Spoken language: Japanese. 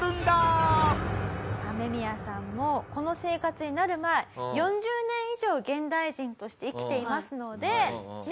アメミヤさんもこの生活になる前４０年以上現代人として生きていますので。